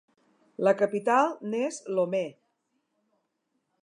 La capital n'és Lomé.